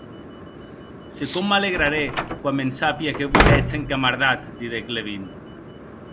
Se com m'alegrarè quan me'n sapia que vos ètz encamardat!, didec Levin.